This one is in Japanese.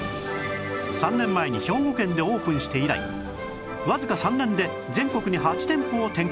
３年前に兵庫県でオープンして以来わずか３年で全国に８店舗を展開